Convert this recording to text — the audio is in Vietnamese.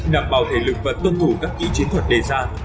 đảm bảo thể lực và tuân thủ các kỹ chiến thuật đề giản